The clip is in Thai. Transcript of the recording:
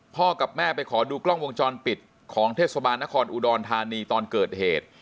กับแม่ไปขอดูกล้องวงจรปิดของเทศบาลนครอุดรธานีตอนเกิดเหตุ